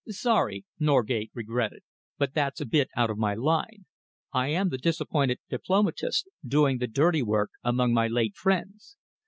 "Sorry," Norgate regretted, "but that's a bit out of my line. I am the disappointed diplomatist, doing the dirty work among my late friends.